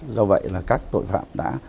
do vậy là các tội phạm đã